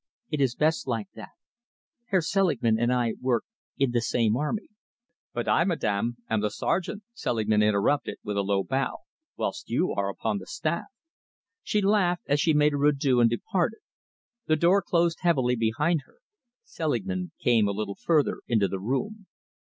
It is best like that. Herr Selingman and I work in the same army " "But I, madame, am the sergeant," Selingman interrupted, with a low bow, "whilst you are upon the staff." She laughed as she made her adieux and departed. The door closed heavily behind her. Selingman came a little further into the room.